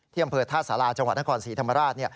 อำเภอท่าสาราจังหวัดนครศรีธรรมราช